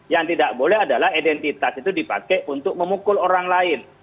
yang tidak boleh adalah identitas itu dipakai untuk memukul orang lain